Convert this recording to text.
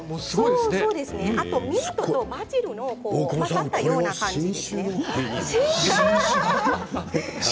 ミントとバジルが混ざったような感じですね。